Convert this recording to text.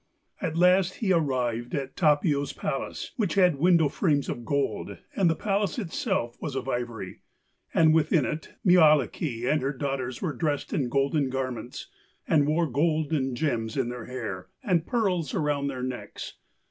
At last he arrived at Tapio's palace, which had window frames of gold, and the palace itself was of ivory. And within it Mielikki and her daughters were dressed in golden garments, and wore gold and gems in their hair, and pearls round their necks.